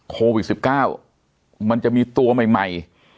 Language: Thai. โควิด๑๙มันจะมีตัวใหม่